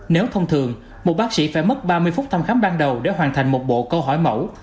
nếu thông thường một bác sĩ phải mất ba mươi phút thăm khám ban đầu để hoàn thành một bộ câu hỏi mẫu